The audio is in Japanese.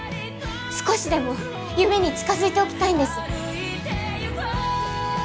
少しでも夢に近づいておきたいんです